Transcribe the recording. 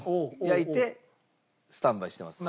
焼いてスタンバイしてます。